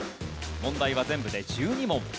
問題は全部で１２問。